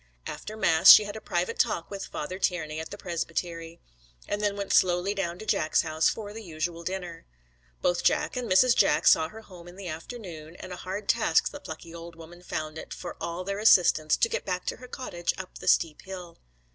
After mass she had a private talk with Father Tiernay at the presbytery; and then went slowly down to Jack's house for the usual dinner. Both Jack and Mrs. Jack saw her home in the afternoon, and a hard task the plucky old woman found it, for all their assistance, to get back to her cottage up the steep hill.